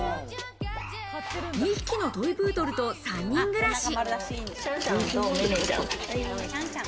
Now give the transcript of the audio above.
２匹のトイプードルと３人暮らし。